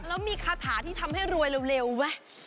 แล้วมีคาถาที่ทำให้รวยเร็วไหม